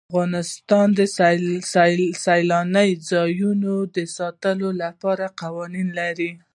افغانستان د سیلاني ځایونو د ساتنې لپاره قوانین لري.